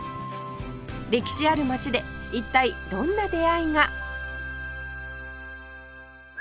歴史ある街で一体どんな出会いが？